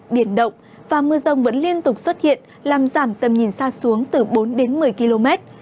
biển động và mưa rông vẫn liên tục xuất hiện làm giảm tầm nhìn xa xuống từ bốn đến một mươi km